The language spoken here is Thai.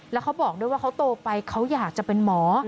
แล้วเขาบอกด้วยว่าเขาโตไปเขาอยากจะเป็นหมอ